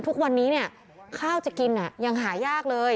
ทุกวันนี้เนี่ยข้าวจะกินยังหายากเลย